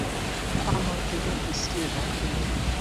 Kwamba utarudi sio dhahiri.